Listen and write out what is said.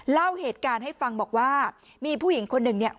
เล่าเหตุการณ์ให้ฟังบอกว่ามีผู้หญิงคนหนึ่งเนี่ย